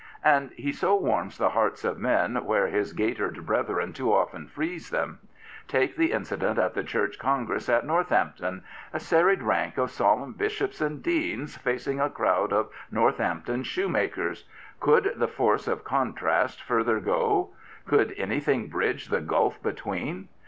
And so he warms the hearts of men where his gaitered brethren too often freeze them. Take that incident at the Church Congress at Northampton — a serried rank of solemn bishops and deans facing a crowd of Northampton shoemakers. Could the force of contrast further go? Could an)d;hing bridge the gulf between